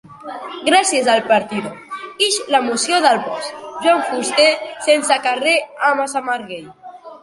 Gràcies al 'Partido', ix la moció del 'Boc': Joan Fuster, sense carrer a Massamagrell.